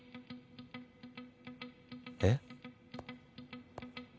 えっ？